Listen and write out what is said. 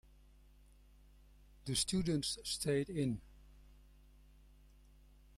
The students stayed in.